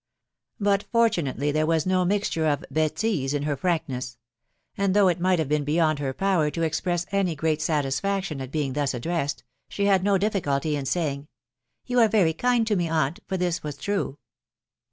... But fortunately there was no mixture of betise in her frankness : and though it might have been beyond her power to express any great satisfaction at being thus addressed, she had no diffi culty in saying, — "You are very kind to me, aunt," for this was true.